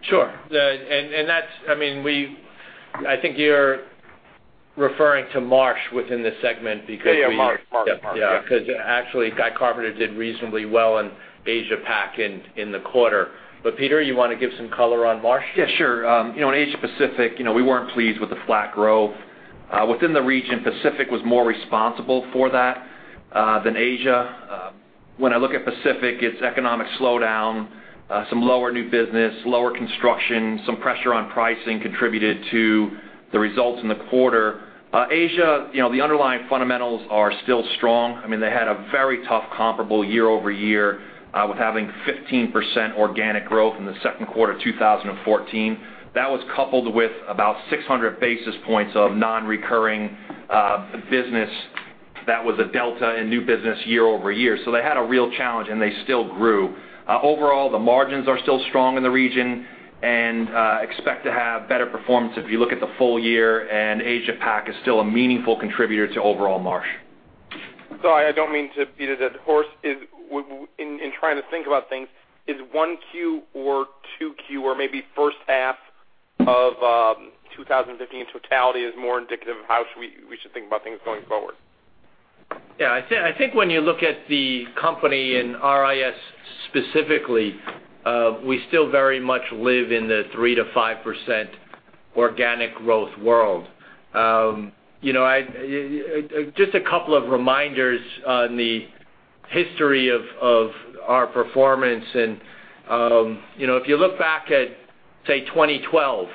Sure. I think you're referring to Marsh within the segment because we. Yeah, Marsh. Marsh. Yeah. Actually Guy Carpenter did reasonably well in Asia Pac in the quarter. Peter, you want to give some color on Marsh? Yeah, sure. In Asia Pacific, we weren't pleased with the flat growth. Within the region, Pacific was more responsible for that than Asia. When I look at Pacific, its economic slowdown, some lower new business, lower construction, some pressure on pricing contributed to the results in the quarter. Asia, the underlying fundamentals are still strong. They had a very tough comparable year-over-year with having 15% organic growth in the second quarter of 2014. That was coupled with about 600 basis points of non-recurring business that was a delta in new business year-over-year. They had a real challenge, and they still grew. Overall, the margins are still strong in the region and expect to have better performance if you look at the full year, and Asia Pac is still a meaningful contributor to overall Marsh. Sorry, I don't mean to beat a dead horse. In trying to think about things, is 1Q or 2Q or maybe first half of 2015 in totality is more indicative of how we should think about things going forward? Yeah. I think when you look at the company and RIS specifically, we still very much live in the 3%-5% organic growth world. Just a couple of reminders on the history of our performance. If you look back at, say, 2012,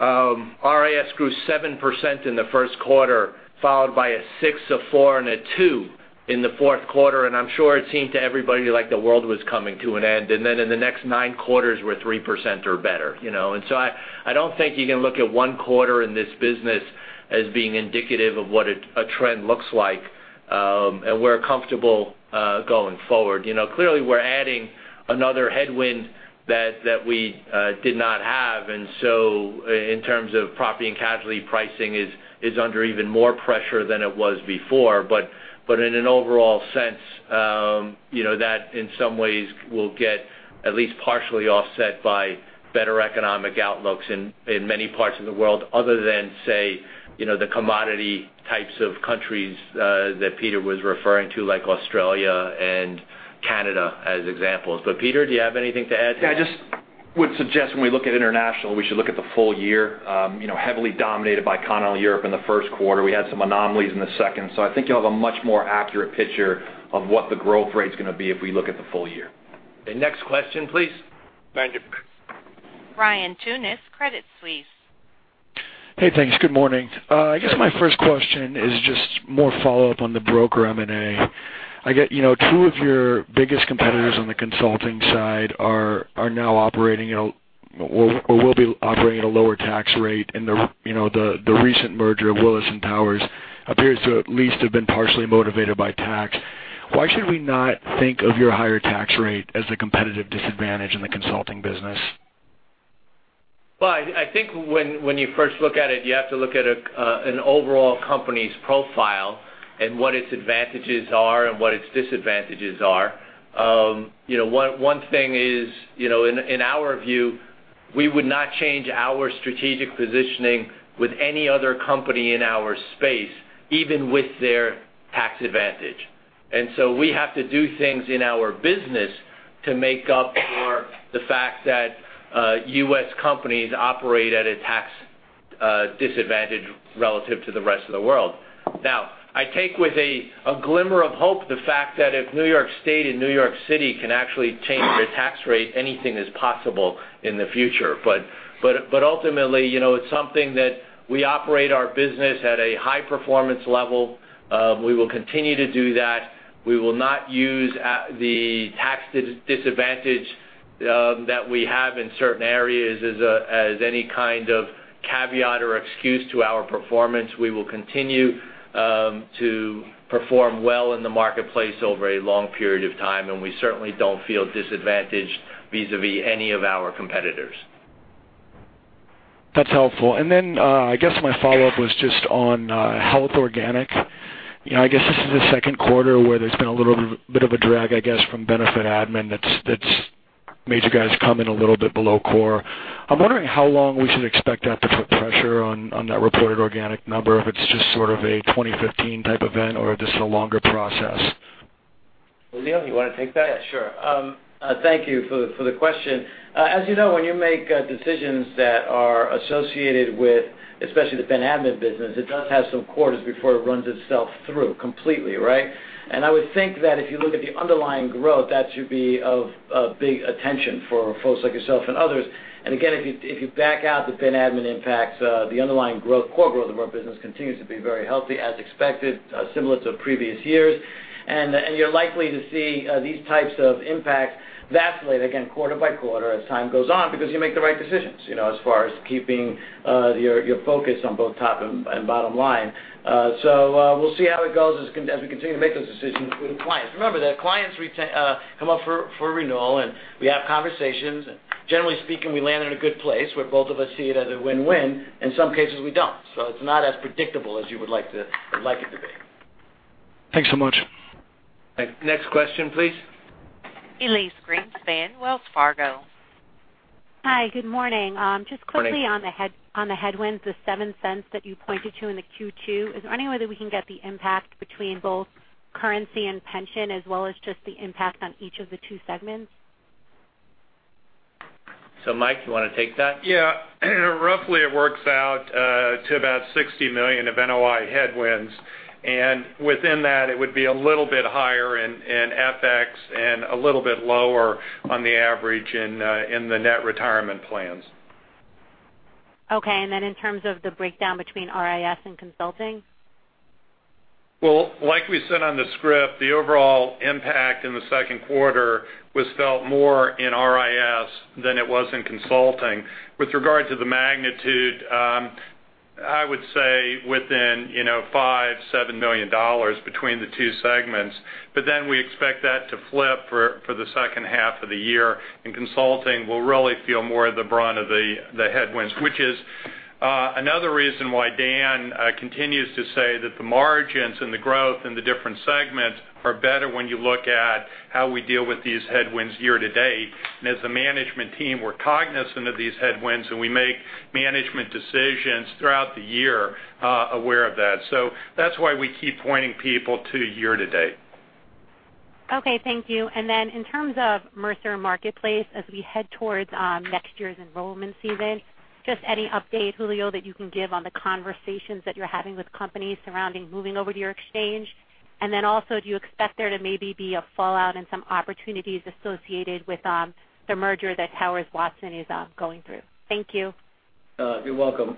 RIS grew 7% in the first quarter, followed by a six, a four, and a two in the fourth quarter. I'm sure it seemed to everybody like the world was coming to an end. Then in the next nine quarters, we're 3% or better. I don't think you can look at one quarter in this business as being indicative of what a trend looks like, and we're comfortable going forward. Clearly, we're adding another headwind that we did not have, so in terms of property and casualty pricing is under even more pressure than it was before. In an overall sense, that in some ways will get at least partially offset by better economic outlooks in many parts of the world other than, say, the commodity types of countries that Peter was referring to, like Australia and Canada as examples. Peter, do you have anything to add here? Yeah, I just would suggest when we look at international, we should look at the full year. Heavily dominated by continental Europe in the first quarter. We had some anomalies in the second. I think you'll have a much more accurate picture of what the growth rate's going to be if we look at the full year. The next question, please. Thank you. Brian Meredith, UBS. Hey, thanks. Good morning. I guess my first question is just more follow-up on the broker M&A. I get two of your biggest competitors on the consulting side are now operating or will be operating at a lower tax rate, and the recent merger of Willis and Towers appears to at least have been partially motivated by tax. Why should we not think of your higher tax rate as a competitive disadvantage in the consulting business? Well, I think when you first look at it, you have to look at an overall company's profile and what its advantages are and what its disadvantages are. One thing is, in our view, we would not change our strategic positioning with any other company in our space, even with their tax advantage. We have to do things in our business to make up for the fact that U.S. companies operate at a tax disadvantage relative to the rest of the world. Now, I take with a glimmer of hope the fact that if New York State and New York City can actually change their tax rate, anything is possible in the future. Ultimately, it's something that we operate our business at a high-performance level. We will continue to do that. We will not use the tax disadvantage that we have in certain areas as any kind of caveat or excuse to our performance. We will continue to perform well in the marketplace over a long period of time, and we certainly don't feel disadvantaged vis-à-vis any of our competitors. That's helpful. Then, I guess my follow-up was just on health organic. I guess this is the second quarter where there's been a little bit of a drag, I guess, from benefit admin that's made you guys come in a little bit below core. I'm wondering how long we should expect that to put pressure on that reported organic number, if it's just sort of a 2015 type event, or if this is a longer process. Julio, you want to take that? Yeah, sure. Thank you for the question. As you know, when you make decisions that are associated with, especially the ben admin business, it does have some quarters before it runs itself through completely, right? I would think that if you look at the underlying growth, that should be of big attention for folks like yourself and others. Again, if you back out the ben admin impacts, the underlying core growth of our business continues to be very healthy as expected, similar to previous years. You're likely to see these types of impacts vacillate again quarter by quarter as time goes on because you make the right decisions, as far as keeping your focus on both top and bottom line. We'll see how it goes as we continue to make those decisions with clients. Remember that clients come up for renewal and we have conversations, and generally speaking, we land in a good place where both of us see it as a win-win. In some cases, we don't. It's not as predictable as you would like it to be. Thanks so much. Next question, please. Elyse Greenspan, Wells Fargo. Hi, good morning. Morning. Just quickly on the headwinds, the $0.07 that you pointed to in the Q2. Is there any way that we can get the impact between both currency and pension as well as just the impact on each of the two segments? Mike, you want to take that? Yeah. Roughly it works out to about $60 million of NOI headwinds, and within that, it would be a little bit higher in FX and a little bit lower on the average in the net retirement plans. Okay, in terms of the breakdown between RIS and Consulting? Well, like we said on the script, the overall impact in the second quarter was felt more in RIS than it was in Consulting. With regard to the magnitude, I would say within $5 million-$7 million between the two segments. We expect that to flip for the second half of the year, and Consulting will really feel more of the brunt of the headwinds, which is another reason why Dan continues to say that the margins and the growth in the different segments are better when you look at how we deal with these headwinds year-to-date. As the management team, we're cognizant of these headwinds, and we make management decisions throughout the year aware of that. That's why we keep pointing people to year-to-date. Okay, thank you. In terms of Mercer Marketplace, as we head towards next year's enrollment season, just any update, Julio, that you can give on the conversations that you're having with companies surrounding moving over to your exchange? Also, do you expect there to maybe be a fallout and some opportunities associated with the merger that Towers Watson is going through? Thank you. You're welcome.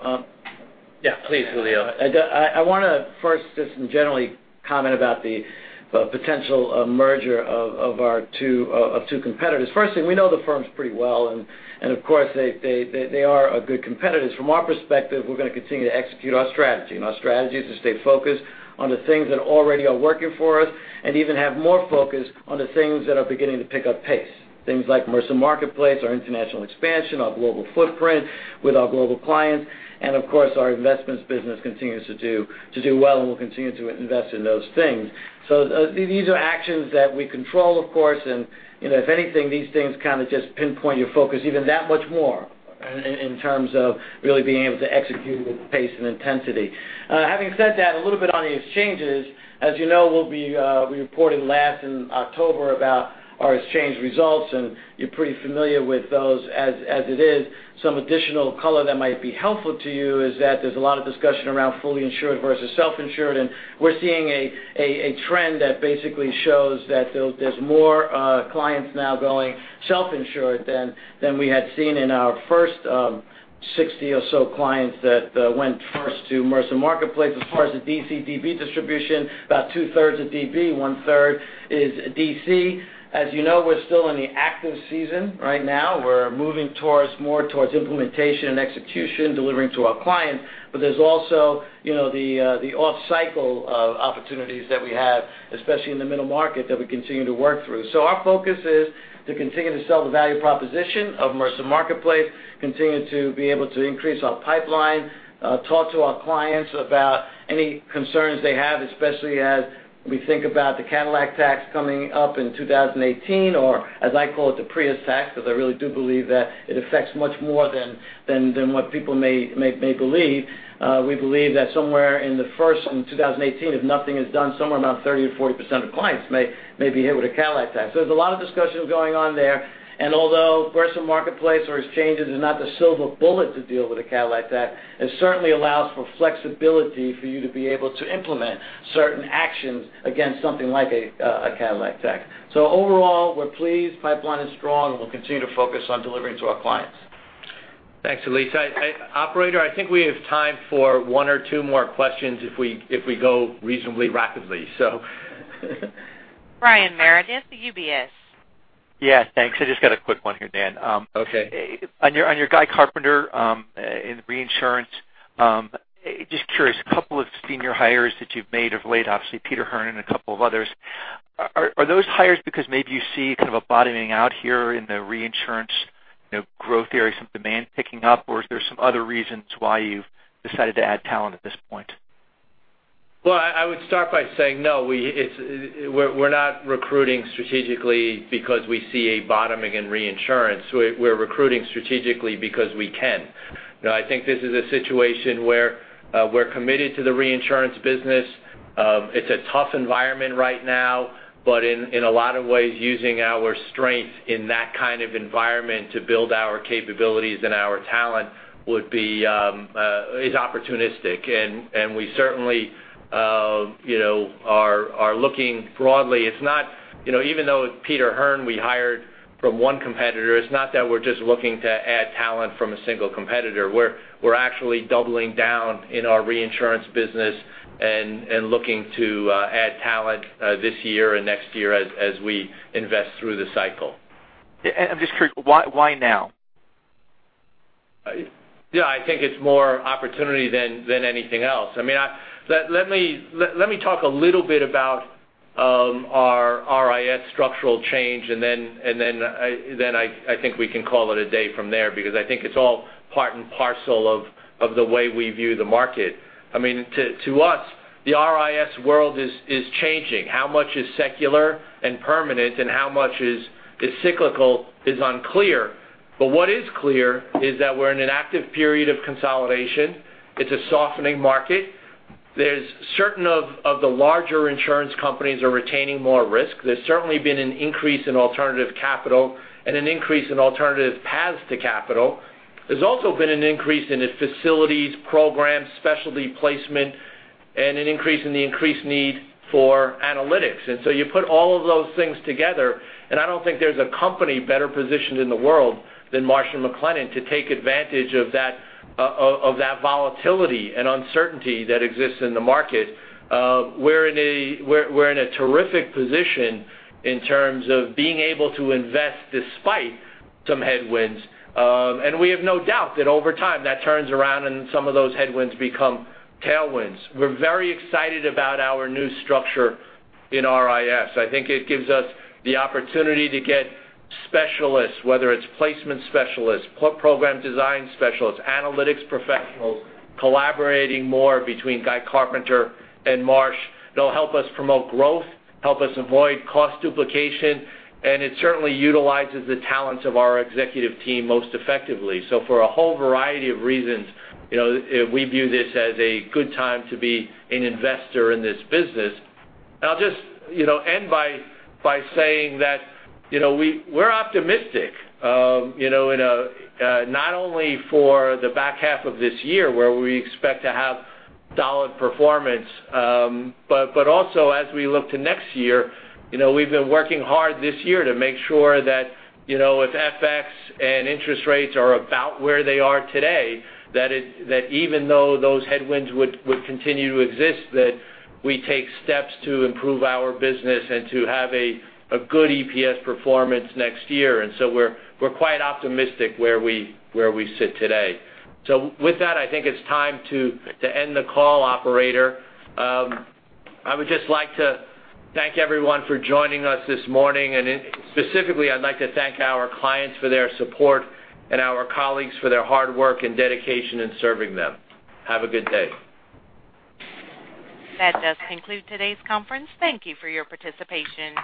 Yeah, please, Julio. I want to first just generally comment about the potential merger of two competitors. First thing, we know the firms pretty well, and of course, they are good competitors. From our perspective, we're going to continue to execute our strategy, and our strategy is to stay focused on the things that already are working for us and even have more focus on the things that are beginning to pick up pace. Things like Mercer Marketplace, our international expansion, our global footprint with our global clients, and of course, our investments business continues to do well, and we'll continue to invest in those things. These are actions that we control, of course, and if anything, these things kind of just pinpoint your focus even that much more in terms of really being able to execute with pace and intensity. Having said that, a little bit on the exchanges. As you know, we reported last in October about our exchange results, and you're pretty familiar with those as it is. Some additional color that might be helpful to you is that there's a lot of discussion around fully insured versus self-insured, and we're seeing a trend that basically shows that there's more clients now going self-insured than we had seen in our first 60 or so clients that went first to Mercer Marketplace. As far as the DC DB distribution, about two-thirds are DB, one-third is DC. As you know, we're still in the active season right now. We're moving more towards implementation and execution, delivering to our client. There's also the off-cycle of opportunities that we have, especially in the middle market, that we continue to work through. Our focus is to continue to sell the value proposition of Mercer Marketplace, continue to be able to increase our pipeline, talk to our clients about any concerns they have, especially as we think about the Cadillac tax coming up in 2018 or, as I call it, the Prius tax, because I really do believe that it affects much more than what people may believe. We believe that somewhere in the first of 2018, if nothing is done, somewhere about 30%-40% of clients may be hit with a Cadillac tax. Although Mercer Marketplace or exchanges is not the silver bullet to deal with a Cadillac tax, it certainly allows for flexibility for you to be able to implement certain actions against something like a Cadillac tax. Overall, we're pleased, pipeline is strong, and we'll continue to focus on delivering to our clients. Thanks, Elyse. Operator, I think we have time for one or two more questions if we go reasonably rapidly. So Brian Meredith for UBS. Yeah, thanks. I just got a quick one here, Dan. Okay. On your Guy Carpenter in reinsurance, just curious, a couple of senior hires that you've made of late, obviously Peter Hearn and a couple of others. Are those hires because maybe you see kind of a bottoming out here in the reinsurance growth areas, some demand picking up, or is there some other reasons why you've decided to add talent at this point? I would start by saying no, we're not recruiting strategically because we see a bottoming in reinsurance. We're recruiting strategically because we can. I think this is a situation where we're committed to the reinsurance business. It's a tough environment right now, but in a lot of ways, using our strengths in that kind of environment to build our capabilities and our talent is opportunistic. We certainly are looking broadly. Even though Peter Hearn we hired from one competitor, it's not that we're just looking to add talent from a single competitor. We're actually doubling down in our reinsurance business and looking to add talent this year and next year as we invest through the cycle. I'm just curious, why now? I think it's more opportunity than anything else. Let me talk a little bit about our RIS structural change. Then I think we can call it a day from there because I think it's all part and parcel of the way we view the market. To us, the RIS world is changing. How much is secular and permanent and how much is cyclical is unclear. What is clear is that we're in an active period of consolidation. It's a softening market. Certain of the larger insurance companies are retaining more risk. There's certainly been an increase in alternative capital and an increase in alternative paths to capital. There's also been an increase in its facilities, programs, specialty placement, and an increase in the increased need for analytics. You put all of those things together, and I don't think there's a company better positioned in the world than Marsh & McLennan Companies to take advantage of that volatility and uncertainty that exists in the market. We're in a terrific position in terms of being able to invest despite some headwinds. We have no doubt that over time, that turns around and some of those headwinds become tailwinds. We're very excited about our new structure in RIS. I think it gives us the opportunity to get specialists, whether it's placement specialists, program design specialists, analytics professionals, collaborating more between Guy Carpenter and Marsh. They'll help us promote growth, help us avoid cost duplication. It certainly utilizes the talents of our executive team most effectively. For a whole variety of reasons, we view this as a good time to be an investor in this business. I'll just end by saying that we're optimistic, not only for the back half of this year, where we expect to have solid performance, but also as we look to next year. We've been working hard this year to make sure that if FX and interest rates are about where they are today, that even though those headwinds would continue to exist, that we take steps to improve our business and to have a good EPS performance next year. We're quite optimistic where we sit today. With that, I think it's time to end the call, operator. I would just like to thank everyone for joining us this morning, and specifically, I'd like to thank our clients for their support and our colleagues for their hard work and dedication in serving them. Have a good day. That does conclude today's conference. Thank you for your participation.